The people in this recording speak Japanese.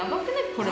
これ。